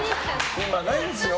今ないんですよ。